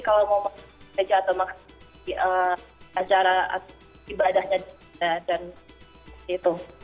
kalau mau bekerja atau makan di acara ibadahnya di sana dan di situ